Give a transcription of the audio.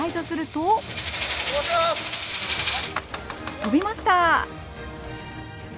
飛びました！